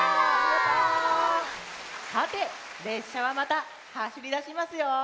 さてれっしゃはまたはしりだしますよ。